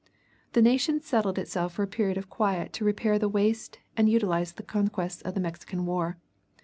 The nation settled itself for a period of quiet to repair the waste and utilize the conquests of the Mexican war.